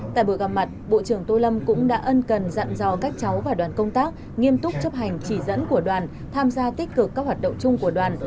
tại buổi gặp mặt bộ trưởng tô lâm cũng đã ân cần dặn dò các cháu và đoàn công tác nghiêm túc chấp hành chỉ dẫn của đoàn tham gia tích cực các hoạt động chung của đoàn